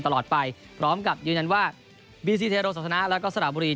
ตลอดไปพร้อมกับยืนยันว่าบีซีเทโรสันทนะแล้วก็สระบุรี